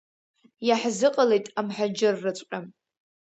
Иаҳзыҟалеит амҳаџьырраҵәҟьа.